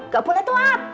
nggak boleh tuan